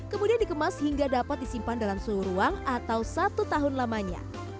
kemudian dikemas hingga dapat disimpan dalam seluruh ruang atau satu tahun lamanya